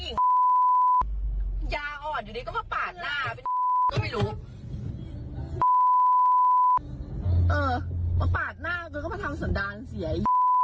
เออมาปาดหน้าก็มาทำสันดาลเสีย